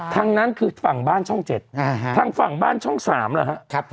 ทางนั้นคือฝั่งบ้านช่องเจ็ดทางฝั่งบ้านช่องสามนะฮะ